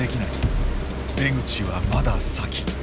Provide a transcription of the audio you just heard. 出口はまだ先。